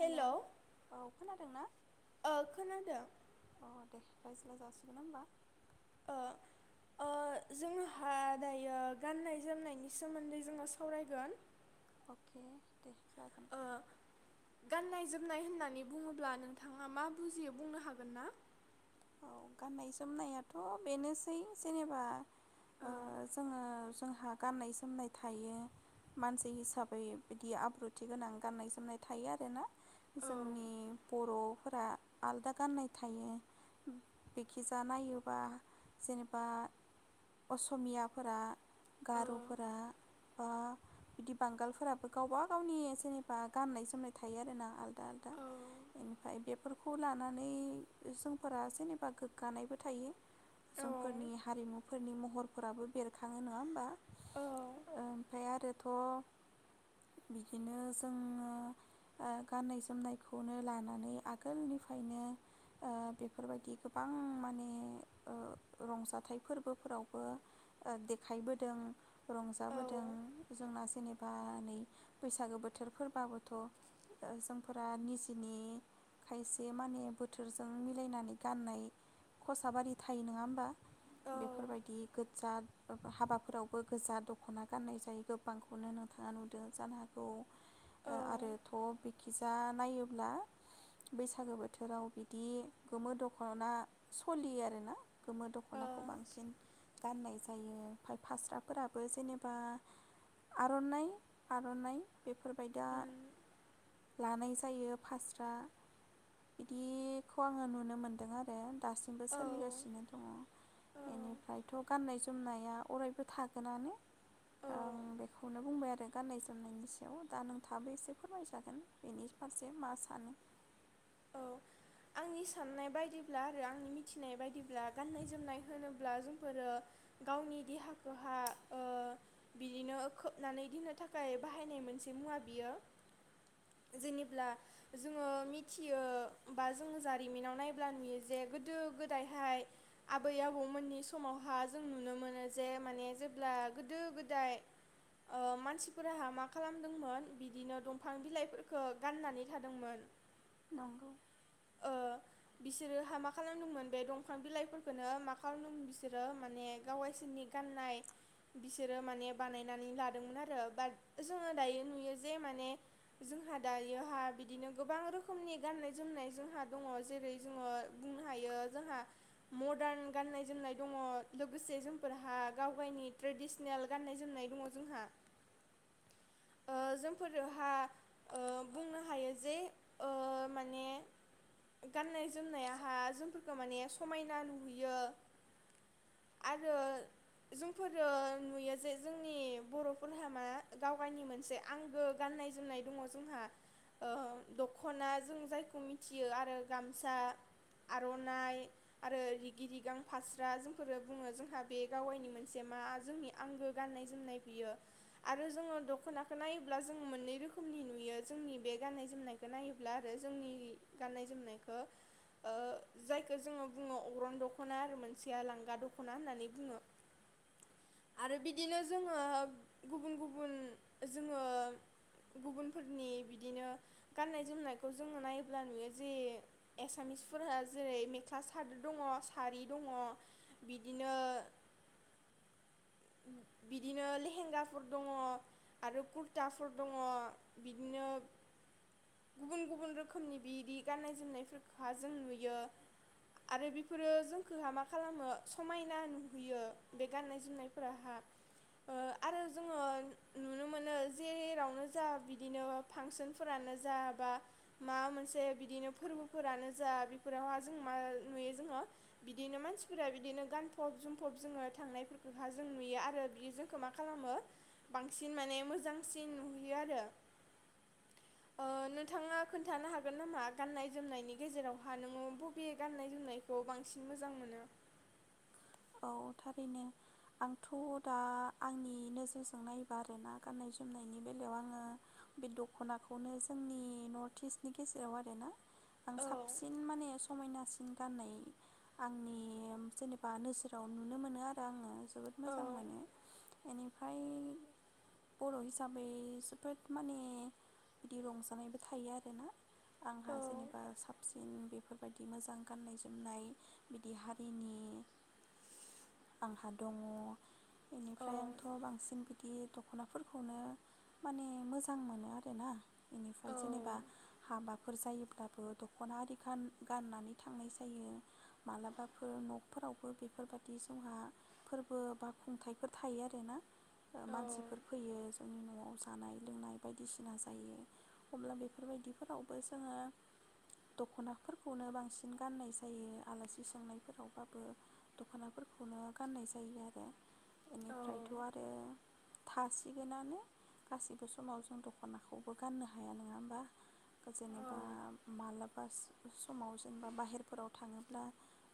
हेल' औ खोनादों ना ओ खोनादों अ दे रायज्लाय जासिगोन ओमबा ओ ओ जोंहा दायो गाननाय-जोमनायनि सोमोन्दै जोङो सावरायगोन अके दे जागोन ओ गाननाय जोमनाय होननानै बुङोब्ला नोंथाङा मा बुजियो बुंनो हागोन ना? औ गाननाय जोमनायाथ बेनोसै जेनेबा ओ ओं जोङो जोंहा गाननाय जोमनाय थायो मानसि हिसाबै बिदि आब्रुथि गोनां गाननाय जोमनाय थायो आरोना औ जोंनि बरफोरा आलदा गाननाय थायो। बेखिजा नायोबा जेनेबा असमियाफोरा औ गारफोरा बा बिदि बांगालफोराबो गावबा गावनि जेनेबा गाननाय जोमनाय थायो आरोना आल दा ओनफाय बे फोरखौ लानानै जों फोरा जेनेबा गोग्गानायबो थायो। औ जोंफोरनि हारिमुफोरनि महर राबो बेरखाङो नङा होमबा औ ओमफाय आरो थ बिदिनो जोङो ओ गाननाय जोमनायखौनो लानानै आगोलनिफ्रायनो ओ बेफोरबायदि गोबां माने ओ रंजाथाइ फोरबोफोरावबो देखायबोदों रंजाबोदों जोंना जेनेबा नै बैसागो बोथोर फोरबाबोथ जोंफोरा निजेनि खायसे माने बोथोरजों मिलायनानै गाननाय खसाबारि थायो नङा होमबा औ बेफोरबायदि गोज्जा हाबाफोरावबो गोजा दखना गाननाय जायो। गोबांखौनो नोंथाङा नुदों जानो हागौ ओ ओ आरोथ बिखिजा नायोब्ला बैसागो बोथोराव बिदि गोमो दखना सलियो आरोना गोमो दखनाखौ बांसिन गाननाय जायो ओमफ्राय फास्राफोराबो जेनेबा आरनाइ आरनाइ बेफोरबायदा उम लानाय जायो फास्रा बिदिखौ आङो नुनो मोनदों आरो दासिमबो औ सोलिगासिनो दङ। बेनिफ्रायथ गाननाय जोमनाया अरायबो थागोनानो औ आं बेखौनो बुंबाय आरो गाननाय जोमनायनि सायाव दा नों थाबो एसे फोरमायजागोन बेनि फारसे मा सानो। औ आंनि साननाय बायदिब्ला आरो आंनि मिथिनाय बायदिब्ला गाननाय जोमनाय होनोब्ला जोंफोरो गावनि देहाखौहा ओ बिदिनो खोबनानै दोननो थाखाय बाहायनाय मोनसे मुवा बियो जेनेब्ला जोङो मिथियो बा जोंङो जारिमिनाव नायब्ला नुयो जे गोदो गोदायहाय आबै-आबौमोननि समावहा जों नुनो मोनो जे माने जेब्ला गोदो गोदाय ओ मानसिफोराहा मा खालामदोंमोन बिदिनो दंफां बिलाइफोरफोरखो गाननानै थादोंमोन। नंगौ ओ बिसोरोहा मा खालामदोंमोन बे दंफां बिलाइफोरखोनो मा खालामदोंमोन बिसोरो माने गावाइसोरनि गाननाय बिसोरो माने बानायनानै लादोंमोन आरो बाट जोङो दायो नुयो जे माने जोंहा दायोहा बिदिनो गोबां रोखोम नि गान्नाय जोमनाय जोंहा दङ जेरै जोङो बुंनो हायो जोंहा मदारन गाननाय जोमनाय दङ लोगोसे जोंफोरहा गाव गाइनि ट्रेडिसनेल गाननाय जोमनाय दङ जोंहा ओ जोंफोरोहा ओ बुंनो हायो जे ओ माने गाननाय जोमनायाहा जोंफोरखौ माने समायना नुहैयो आरो जोंफोरो नुयो जे जोंनि बरफोरनिहा मा गाव गाइनि मोनसे आंगो गाननाय जोमनाय दङ जोंहा ओ द दखना जों जायखौ मिथियो आरो गामसा आरनाइ आरो रिगि रिगां फास्रा जोंफोरो बुङो जोंहा बे गावगाइनि मोनसे मा जोंनि आंगो गाननाय जोमनाय बियो आरो जोङो दखनाखो नायोब्ला जों मोननै रोखोमनि नुयो जोंनि बे गाननाय जोमनायखौ। नायोब्ला आरो जोंनि गाननाय जोमनायखो ओ जायखौ जोङो बुङो अग्रं दखना आरो मोनसेया लांगा दखना होननानै बुङो आरो बिदिनो जोङो गुबुन गुबुन जोङो गुबुनफोरनि बिदिनो गाननाय जोमनायखौ जोङो नायोब्ला नुयो जे एसामिसफोरहा जेरै मेख्ला सादोर दङ सारि दङ बिदिनो बिदिनो लेहेंगाफोर दङ आरो कुरटाफोर दङ बिदिनो गुबुन गुबुन रोखोमनि बिदि गाननाय जोमनायफोरखौहा जों नुयो आरो बेफोरो जोंखौहा मा खालामो समायना नुहोयो बे गाननाय जोमनायफोराहा ओ आरो जोङो नुनो मोनो जेरावनो जा बिदिनो फांसनफोरानो जा जा बा माबा मोनसे बिदिनो फोरबोफोरानो जा बेफोरावहा जों मा नुयो जोङो बिदिनो मानसिफोरा बिदिनो गानफब जोमफब जोङो थांनायफोरखौहा जों नुयो आरो बियो जोंखो मा खालामो बांसिन माने मोजांसिन नुहोयो आरो ओ नोंथाङा खोन्थानो हागोन नामा गाननाय जोमनायनि गेजेरावहा नोङो बबे गाननाय जोमनायखौ बांसिन मोजां मोनो औ थारैनो आंथ दा आंनि नोजोरजों नायोबा आरोना गाननाय जोमनायनि बेलायाव आङो बे दखनाखौनो जोंनि नर्थ इस्टनि गेजेराव आरोना आं औ साबसिन माने समायनासिन गाननाय आंनि जेनेबा नोजो राव नुनो मोनो आरो आङो जोबोद‌ औ मोजां मोनो एनि ओमफ्राय बर हिसाबै जोबोद माने बिदि रंजानायबो थायो आरोना आंहा जेनेबा साबसिन बे बेफोरबायदि मोजां गाननाय जोमनाय बिदि हारिनि आंहा दङ औ बेनिफ्राय आंथ बांसिन बिदि दखनाफोरखौनो माने मोजां मोनो आरोना बेनिफ्राय जेनेबा हाबाफोर जायोब्लाबो दखना आरि खान गाननानै थांनाय जायो मालाबाफोर नफोरावबो बेफोरबाय दि जोंहा फोरबो बा खुंथाइफोर थायो आरोना ओ मानसिफोर फैयो जोंनि नआव जानाय लोंनाय बायदिसिना जायो अब्ला बेफोरबायदिफोरावबो जोङो दखनाफोरखौनो बांसिन गाननाय जायो आलासि सोंनायफोरावबाबो दखनाफोरखौनो गाननाय जायो आरो औ बेनिफ्रायथ आरो थासिगोनानो गासिबो समाव जों दखनाखौबो गाननो हाया नङा होमबा जेनेबा मालाबा स समाव जेनेबा बाहेरफोराव थाङोब्ला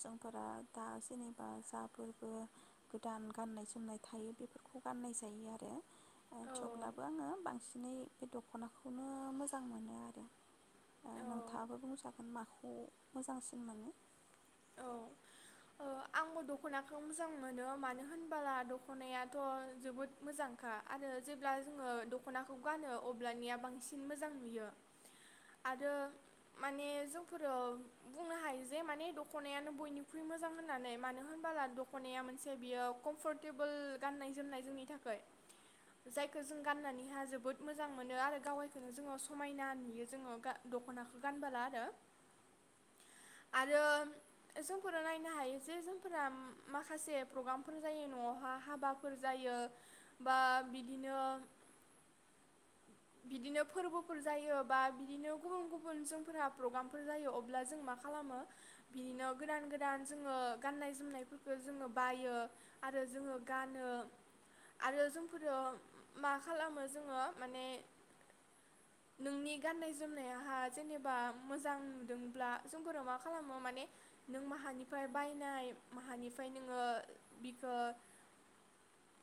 जोंफोरा दा जेने बा जाफोरबो गोदान गाननाय जोमनाय थायो बेफोरखौ गाननाय जायो आरो ओ थेवब्लाबो आङो बांसिन बिनै बे दखनाखौनो मोजां मोनो आरो ओ नोंथाङाबो बुंनो सा माखौ मोजांसिन मोनो औ ओ आंबो दखनाखौ मोजां मोनो मानो होनबोला दखनायाथ जोबोद मोजांखा आरो जेब्ला जोङो दखनाखौ गानो अब्लानिया बांसिन मोजां नुयो आरो माने जोंफोरो बुंनो हायो जे माने द खनायानो बयनिख्रुइ मोजां होननानै मानो होनबोला दखनाया मोनसे बियो कमफर्टेबोल गाननाय जोमनाय जोंनि थाखाय जायखौ जों गाननानैहा जोबोद मोजां मोनो आरो गावायखौनो जोङो समायना नुयो जोङो दखनाखौ गानबोला आरो आरो जोंफोरो नायनो हायो जे जोंफोरा माखासे प्रग्रामफोर जायो नआवहा हाबाफोर जायो बा बिदिनो बिदिनो फोरबोफोर जायो बा बिदिनो गुबुन गुबुन जोंफोरा प्रग्रामफोर जायो अब्ला जों मा खालामो बिनिनो गोदान गोदान जोङो गाननाय जोमनायफोरखौ जोङो बायो आरो जोङो गानो आरो जोंफोरो मा खालामो जोङो माने नोंनि गाननाय जोमनायाहा जेनेबा मोजां नुदोंब्ला जोंफोरो मा खालामो म माने नों माहानिफ्राय बायनाय माहानिफ्राय नोङो बिखो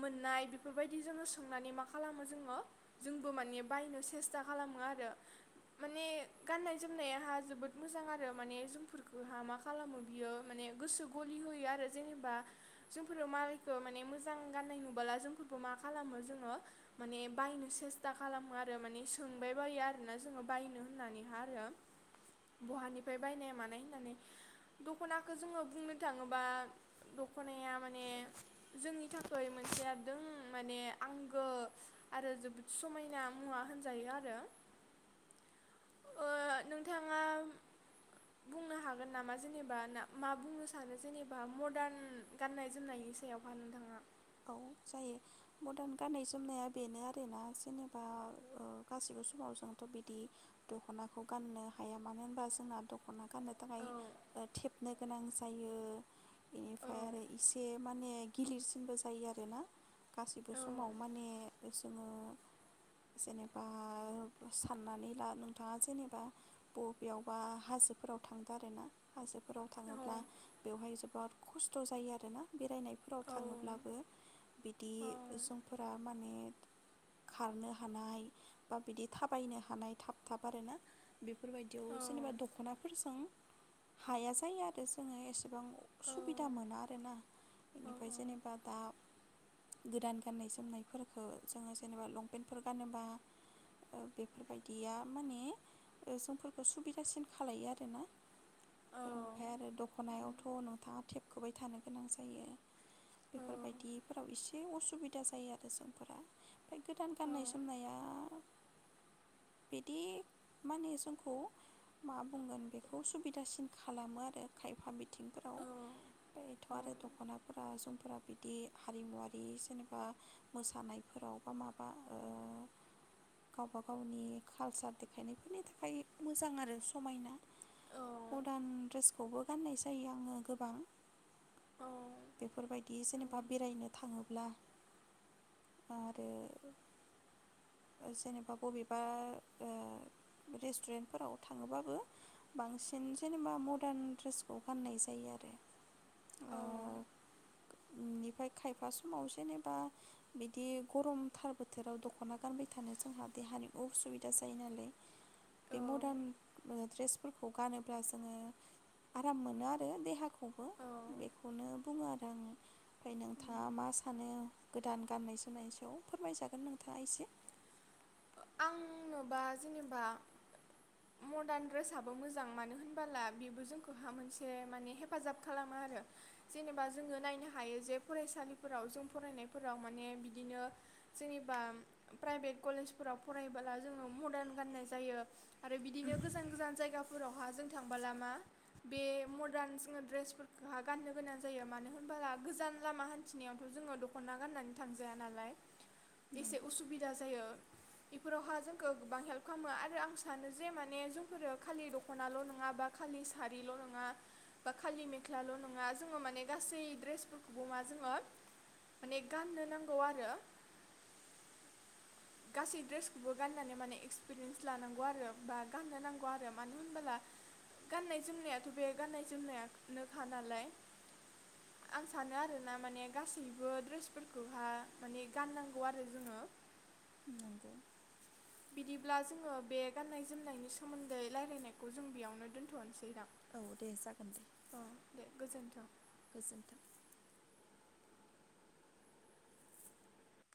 मोननाय बेफोरबायदि जोङो सोंनानै मा खालामो जोङो जोंबो माने बायनो सेस्था खालामो आरो माने गाननाय जोमनायाहा जोबोद मोजां आरो माने जोंफोर जहा मा खालामो बियो माने गोसो गलि होयो आरो जेनेबा जोंफोरो मालायखौ माने मोजां गाननाय नुबोला जोंफोरखौ मा खालामो जोङो माने बायनो सेस्था खालामो आरो माने सोंबाय बायो आरोना जोङो बायनो होननानैहा आरो बहानिफ्राय बायनाय मानाय होन्नानै दखनाखौ जोङो बुंनो थाङोबा दखनाया माने जोंनि थाखाय मोनसे दम माने आंगो आरो जोबोद समायना मुवा होनजायो आरो ओ नोंथाङा बुंनो हागोन नामा जेनेबा ना मा बुंनो सानो जेनेबा मदार्न गाननाय जोमनायनि सायावहा नोंथाङा औ जायो मदार्न गाननाय जोमनाया बेनो आरोना जेनेबा गासिबो समाव जोंथ बिदि दखनाखौ गाननो हाया मानो होनबा जोंना दखना गाननो थाखाय औ थेप नो गोनां जायो औ बेनिफ्राय आरो इसे माने गिलिरसिनबो। जायो आरोना गासिबो औ समाव माने जोङो जेनेबा साननानै ला नोंथाङा जेनेबा बबेयावबा हाजोफोराव थांदों आरो ना हाजो फोराव औ थाङोब्ला बेवहाय जोबोद खस्थ जायो आरोना बेरायनाय फोराव औ थाङो बिदि सुबुंफोरा माने खारनो हानाय बा बिदि थाबायनो हानाय थाब थाब आरोना। बेफोरबायदियाव जेनेबा दखनाफोरजों हाया जायो आरो जोङो एसे बां सुबिदा मोना आरोना बेनिफ्राय जेने बा। गोदान गाननाय जोमनायफोरखौ जोङो जेनेबा लंपेन्टफोर गानोबा बेफोरबायदिया माने जोंफोरखौ सुबिदासिन खालायो आरोना। औ ओमफ्राय आरो दखनायाव थ नोंथाङा टेबखोबाय थानो गोनां जायो। बेफोरबायदिफोराव इसोर बि असुबिदा जायो आरो जोंफोरा ओमफ्राय गोदान गाननाय जोमनाया बिदि माने जोंखौ मा बुंगोन बेखौ सुबिदासिन खालामो आरो खायफा बिथिं औ। एथ आरो दखनाफोरा जुमफोरा बिदि हारिमुवारि जेनेबा मोसानायफोराव बा माबा ओ गावबा गावनि कालसार देखायनायफोरनि थाखाय मोजां आरो समायना मदार्न ड्रेसखौबो गाननाय जायो आङो गोबां बेफोरबायदि जेनेबा बेरायनो थाङो ङोब्ला आरो जेनेबा बबेबा ओ रेस्टुरेन्टफोराव थाङोबाबो बांसिन जेनेबा मडार्न ड्रेसखौ गाननाय जायो आरो। औ। बेनिफ्राय खायफा समाव जेनेबा बिदि गरमथार बोथोराव दखना गानबाय थ थानो जोंहा देहानि असुबिदा जायो नालाय बे मदार्न द्रेसफोरखौ गानोब्ला जोङो आराम मोनो आरो देहाखौबो बेखौनो बुङो आरो आङो ओमफ्राय नोंथाङा मा सानो गोदान गाननाय जोमनाय सायाव फोरमायजागोन नोंथाङा एसे। आंनोबा जेनेबा मडार्न ड्रेसआबो मोजां मानो होनबोला बेबो जोंखौहा मोनसे माने हेफाजाब खालामो आरो जेनेबा जोङो नायनो हायो जे फरायसालिफोराव जों फरायनायफोराव माने बिदिनो जेनेबा प्राइभेट कलेज फोराव फरायबोला जोङो मदार्न गाननाय जायो आरो बिदिनो गोजान गोजान जायगाफोरावहा जों थांबोला मा बे मदार्न जोङो ड्रेसफोरखौहा गाननो गोनां जायो मानो होनबोला गोजान लामा हान्थिनायावथ जोङो दखना गाननानै थांजाया नालाय। एसे नंगौ उसुबिदा जायो। बेफोरावहा जोंखौ गोबां हेल्प खालामो आरो आं सानो जे माने जोंफोरो खालि दखनाल नङा बा खालि सारिल नङा बा खालि मेख्लाल नङा जोङो माने गासै ड्रेसफोरखौबो मा जोङो माने गाननो नांगौ आरो। गासै ड्रेसखौबो गाननानै माने एक्सपिरियेन्स लानांगौ आरो बा गाननो नांगौ आरो मानो होनबोला गाननाय जोमनायाथ बे गाननाय जोमनायानोखा नालाय आं सानो आरोना माने गासैबो ड्रेसफोरखौहा माने गाननांगौ आरो जोङो। नंगौ। बिदिब्ला जोङो बे गाननाय जोमनायनि सोमोन्दै रायज्लायनायखौ जों बेयावनो दोन्थनोसै दां। औ दे जागोन दे। गोजोन्थों। गोजोन्थो।